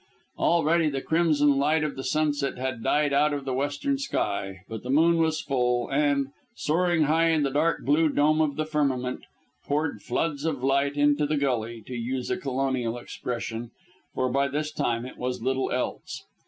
Already the crimson light of the sunset had died out of the western sky, but the moon was full, and, soaring high in the dark blue dome of the firmament, poured floods of light into the gully, to use a Colonial expression for by this time it was little else.